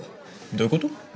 どういうこと？